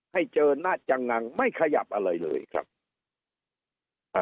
ให้เจอนะจังงังไม่ขยับอะไรเลยครับ